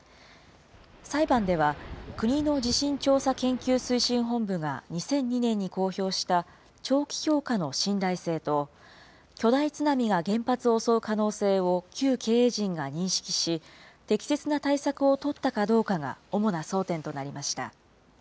裁判では、国の地震調査研究推進本部が２００２年に公表した長期評価の信頼性と、巨大津波が原発を襲う可能性を旧経営陣が認識し、適切な対策を取ったかどうかが主な争点となりました。